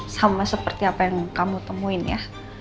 sama seperti apa yang kamu temuin ya